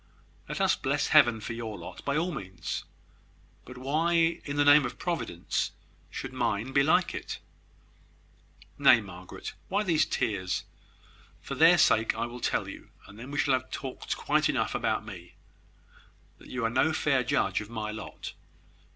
Let us bless Heaven for your lot, by all means; but why, in the name of Providence, should mine be like it? Nay, Margaret, why these tears? For their sake I will tell you and then we shall have talked quite enough about me that you are no fair judge of my lot.